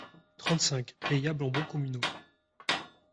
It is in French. trente-cinq, payable en bons communaux.